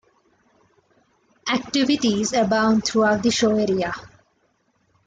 Activities abound throughout the show area.